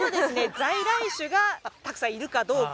在来種がたくさんいるかどうか。